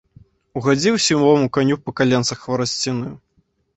Угадзіў сівому каню па каленцах хварасцінаю.